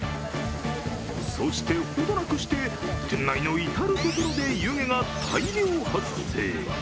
そして、程なくして、店内の至る所で湯気が大量発生。